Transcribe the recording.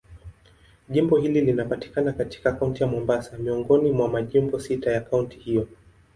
Jimbo hili linapatikana katika Kaunti ya Mombasa, miongoni mwa majimbo sita ya kaunti hiyo.